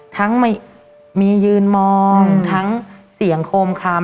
ทั้งมียืนมองทั้งเตียงโคมคาม